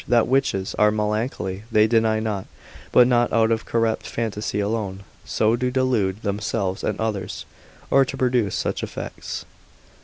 That witches are melancholy, they deny not, but not out of corrupt phantasy alone, so to delude themselves and others, or to produce such effects.